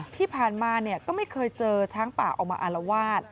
ที่ผ่านมาก็ไม่เคยเจอช้างป่าออกมาอารวาส